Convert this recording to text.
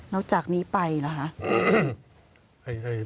แล้วจากนี้ไปแล้วล่ะคะ